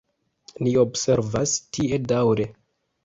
Ni observas tie daŭre.